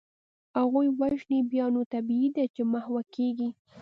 هغوی وژني، بیا نو طبیعي ده چي محوه کیږي.